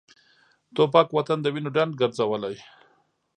توپک وطن د وینو ډنډ ګرځولی.